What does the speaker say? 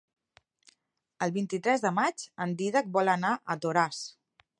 El vint-i-tres de maig en Dídac vol anar a Toràs.